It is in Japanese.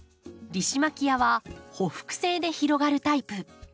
リシマキアはほふく性で広がるタイプ。